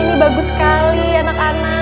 ini bagus sekali anak anak